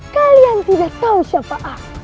kalian tidak tahu siapa a